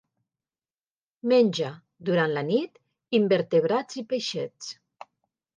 Menja, durant la nit, invertebrats i peixets.